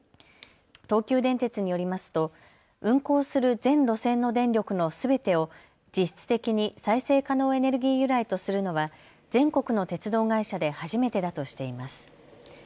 東急電鉄によりますと運行する全路線の電力のすべてを実質的に再生可能エネルギー由来とするのは全国の鉄道会社で初めてだとしています。